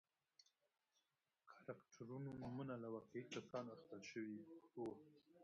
کرکټرونو نومونه له واقعي کسانو اخیستل شوي و.